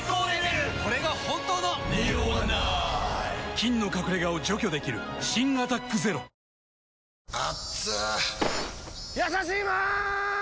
菌の隠れ家を除去できる新「アタックＺＥＲＯ」やさしいマーン！！